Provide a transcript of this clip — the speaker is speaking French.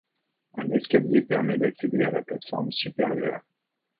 Un escalier permet d'accéder à la plate-forme supérieure.